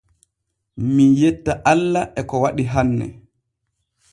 Mii yetta alla e ko waɗi hanne.